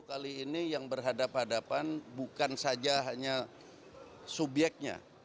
kali ini yang berhadapan hadapan bukan saja hanya subyeknya